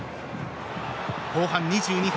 後半２２分。